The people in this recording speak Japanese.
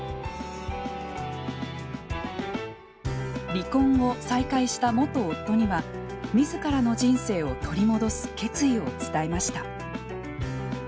離婚後、再会した元夫には自らの人生を取り戻す決意を伝えました。